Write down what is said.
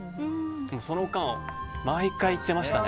その間は毎回行ってましたね。